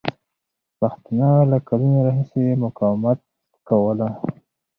پښتانه له کلونو راهیسې مقاومت کوله.